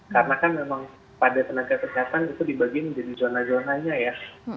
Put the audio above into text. karena kan memang pada tenaga kesehatan itu dibagiin menjadi zona zonanya ya